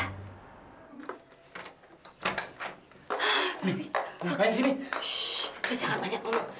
shh udah jangan banyak ngomong